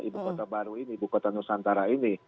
ibu kota baru ini ibu kota nusantara ini